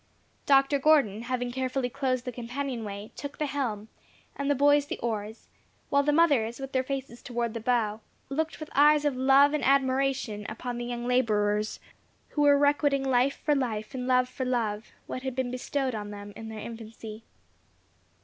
Dr. Gordon, having carefully closed the companion way, took the helm, and the boys the oars, while the mothers, with their faces towards the bow, looked with eyes of love and admiration upon the young labourers, who were requiting life for life, and love for love, what had been bestowed on them in their infancy.